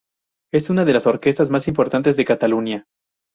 Es una de las orquestas más importantes de Cataluña.